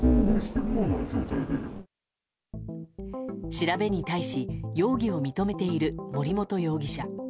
調べに対し容疑を認めている森本容疑者。